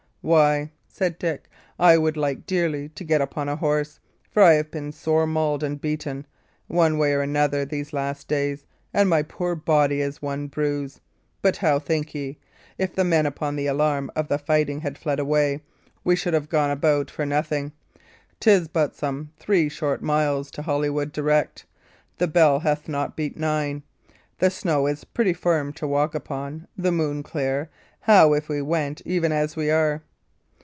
"Why," said Dick, "I would like dearly to get upon a horse; for I have been sore mauled and beaten, one way and another, these last days, and my poor body is one bruise. But how think ye? If the men, upon the alarm of the fighting, had fled away, we should have gone about for nothing. 'Tis but some three short miles to Holywood direct; the bell hath not beat nine; the snow is pretty firm to walk upon, the moon clear; how if we went even as we are?"